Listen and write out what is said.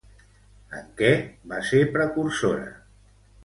En què va ser precursora?